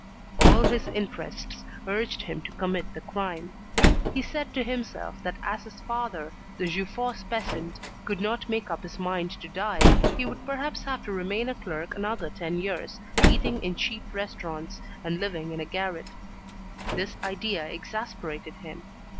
All his interests urged him to commit the crime. He said to himself that as his father, the Jeufosse peasant, could not make up his mind to die, he would perhaps have to remain a clerk another ten years, eating in cheap restaurants, and living in a garret. This idea exasperated him.